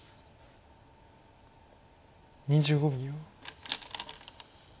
２５秒。